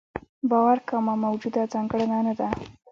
باور کومه موجوده ځانګړنه نه ده.